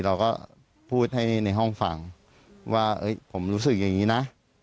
เราก็พูดให้ในห้องฟังว่าผมรู้สึกอย่างนี้นะ